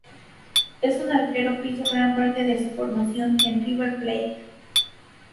Es un arquero que hizo gran parte de su formación en River Plate.